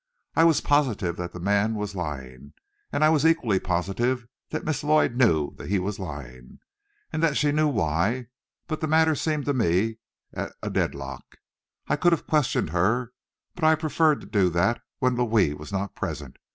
I was positive the man was lying, and I was equally positive that Miss Lloyd knew he was lying, and that she knew why, but the matter seemed to me at a deadlock. I could have questioned her, but I preferred to do that when Louis was not present.